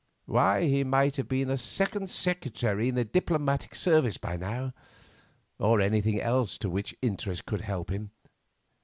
Why he might have been a second secretary in the Diplomatic Service by now, or anything else to which interest could help him.